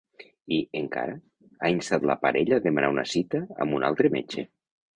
I, encara, ha instat la parella a demanar una cita amb un altre metge.